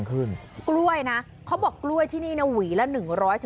กล้วยนะเขาบอกกล้วยที่นี่นะหวี่ละ๑๐๐๑๒๐บาท